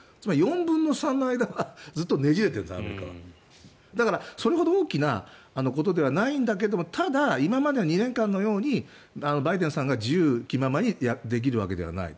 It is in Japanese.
４分の三の間はずっとねじれていた、アメリカはだから、それほど大きなことではないんだけど今までの２年間のようにバイデンさんが自由気ままにできるわけではない。